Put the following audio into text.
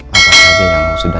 apa saja yang sudah